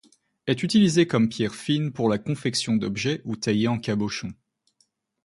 Est utilisée comme pierre fine pour la confection d'objet ou taillée en cabochon.